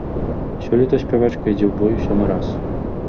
Сёлета спявачка ідзе ў бой у сёмы раз.